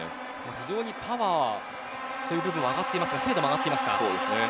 非常にパワーも上がっていますが精度も上がっています。